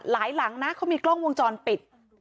หลังนะเขามีกล้องวงจรปิด